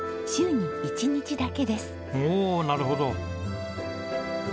おおなるほど。